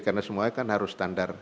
karena semuanya kan harus standar